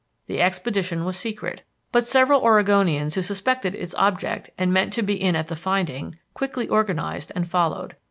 The expedition was secret, but several Oregonians who suspected its object and meant to be in at the finding, quickly organized and followed.